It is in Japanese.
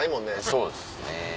そうですね。